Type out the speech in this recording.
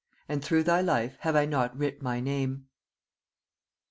"AND THROUGH THY LIFE HAVE I NOT WRIT MY NAME?"